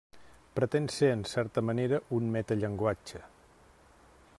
Pretén ser en certa manera un metallenguatge.